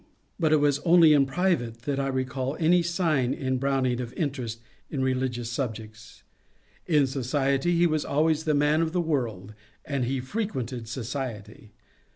But it was only in private that I recall any sign in Brown ing of interest in religious subjects. In society he was always the man of the world, and he frequented society.